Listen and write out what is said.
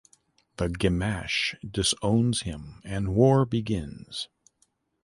The Gamache disown him and war begins.